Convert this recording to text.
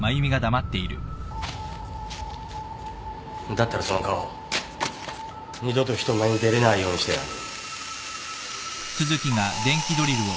だったらその顔二度と人前に出れないようにしてやる。